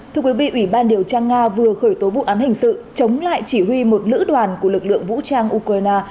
thưa quý vị ủy ban điều tra nga vừa khởi tố vụ án hình sự chống lại chỉ huy một lữ đoàn của lực lượng vũ trang ukraine